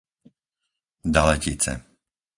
Daletice